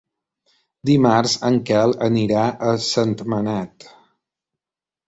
Dimarts en Quel anirà a Sentmenat.